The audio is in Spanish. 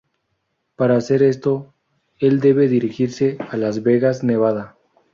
Para hacer esto el debe dirigirse a Las Vegas, Nevada.